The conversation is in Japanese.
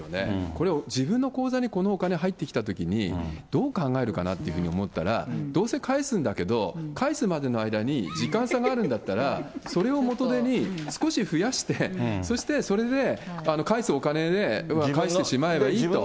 これ、自分の口座にこのお金入ってきたときに、どう考えるかなって思ったら、どうせ返すんだけど、返すまでの間に、時間差があるんだったら、それを元手に、少し増やして、そしてそれで、返すお金で返してしまえばいいと。